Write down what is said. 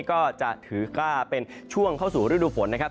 ก็จะถือก็เป็นช่วงเข้าสู่ฤดูฝนนะครับ